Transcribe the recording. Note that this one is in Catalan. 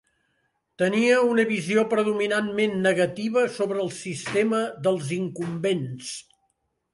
Tenia una visió predominantment negativa sobre el sistema dels incumbents.